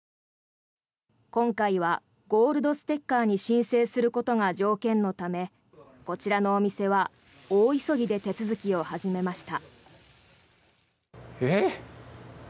今回はゴールドステッカーに申請することが、条件のためこちらのお店は大急ぎで手続きを始めました。